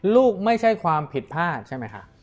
ไม่ใช่ความผิดพลาดใช่ไหมคะ